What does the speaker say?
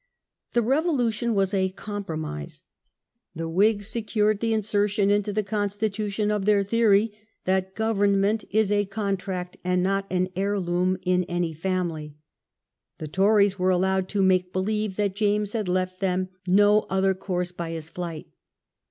The Revolution was a compromise. The Whigs secured the insertion into the Constitution of their theory that Character of government is a contract and not an heirloom the constitu in any family. The Tories were allowed to tionai change. j^^g_^gj.g^g that James had left them no other course by his flight.